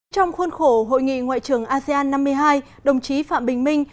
trong khuôn khổ hội nghị ngoại trưởng asean năm mươi hai đồng chí phạm bình minh